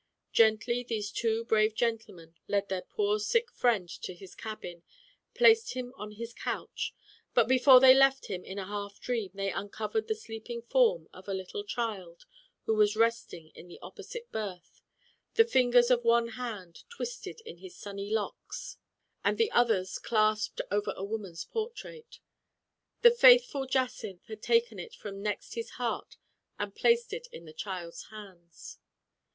Gently these two brave gentlemen led their poor sick friend to his cabin, placed him on his couch, but before they left him in a half dream they uncovered the sleeping form of a little child who was resting in an opposite berth, the fingers of one hand twisted in his sunny locks and the others clasped over a woman's portrait. The faithful Jacynth had taken it from next his heart and placed it in the child's hands.